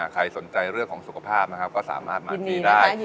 ใครสนใจเรื่องของสุขภาพนะครับก็สามารถมาฟรีได้